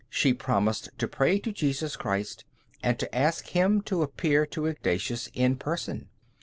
She promised to pray to Jesus Christ and to ask Him to appear to Ignatius in person.